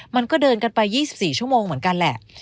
มันก็เดินกันไป๒๔ชั่วโมงเหมือนกันแหละ